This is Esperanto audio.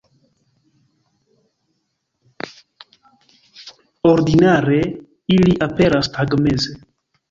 Ordinare ili aperas tagmeze.